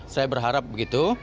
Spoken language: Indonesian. saya berharap begitu